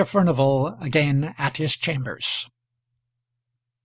FURNIVAL AGAIN AT HIS CHAMBERS.